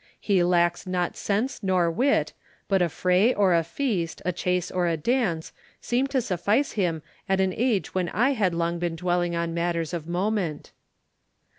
He lacks not sense nor wit, but a fray or a feast, a chase or a dance, seem to suffice him at an age when I had long been dwelling on matters of moment."